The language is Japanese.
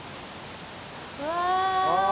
うわ！